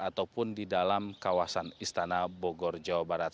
ataupun di dalam kawasan istana bogor jawa barat